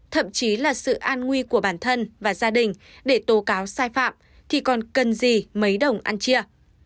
thậm chí là sự an nguy của bản thân và gia đình để tố cáo sai phạm thì còn cần gì mấy đồng ăn chia